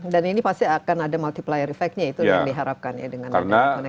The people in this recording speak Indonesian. dan ini pasti akan ada multiplier effectnya itu yang diharapkan ya dengan ada konektivitas